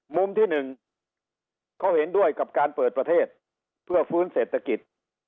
มุมที่๑เขาเห็นด้วยกับการเปิดประเทศเพื่อฟื้นเศรษฐกิจ